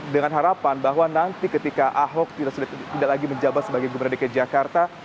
dengan harapan bahwa nanti ketika ahok tidak lagi menjabat sebagai gubernur dki jakarta